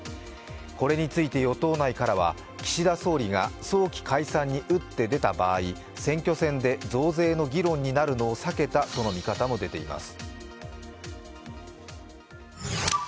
これについて与党内からは岸田総理が早期解散に打って出た場合、選挙戦で増税の議論になるのを避けたとの見方も出ています。